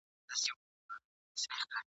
د ځناورو له خاندان دی !.